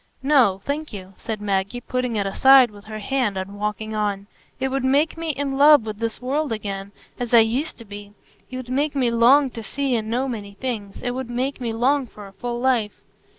"No, thank you," said Maggie, putting it aside with her hand and walking on. "It would make me in love with this world again, as I used to be; it would make me long to see and know many things; it would make me long for a full life."